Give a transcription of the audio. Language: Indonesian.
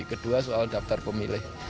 kedua soal daftar pemilih